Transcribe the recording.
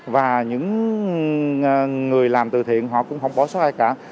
và những người làm từ thiện họ cũng không bỏ sót ai cả